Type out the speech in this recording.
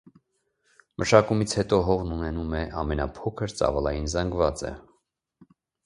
Մշակումից հետո հողն ունենում է ամենափոքր ծավալային զանգվածը։